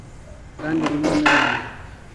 kandi rimwe na rimwe,